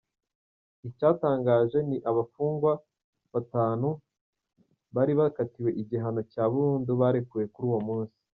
Icyatangaje ni abafungwa batanu bari barakatiwe igihano cya burundu barekuwe kuri uwo munsi.